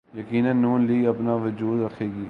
یقینا نون لیگ اپنا وجود رکھے گی۔